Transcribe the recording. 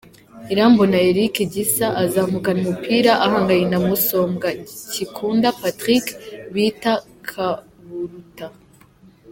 Irambona Eric Gisa azamukana umupira ahanganye na Musombwa Kikunda Patrick bita Kaburuta .